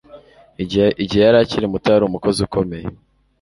igihe yari akiri muto, yari umukozi ukomeye